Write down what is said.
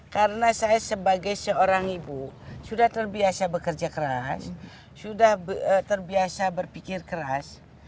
karena saya sebagai seorang ibu sudah terbiasa bekerja keras sudah terbiasa berpikir keras